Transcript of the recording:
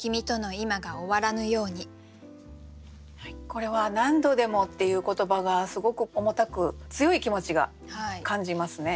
これは「なんどでも」っていう言葉がすごく重たく強い気持ちが感じますね。